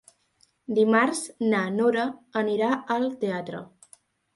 Dimarts na Nora anirà al teatre.